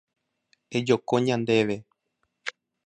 Ejoko ñandéve.